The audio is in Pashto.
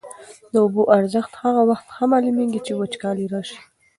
د اوبو ارزښت هغه وخت ښه معلومېږي چي وچکالي راسي.